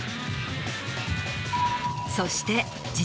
そして。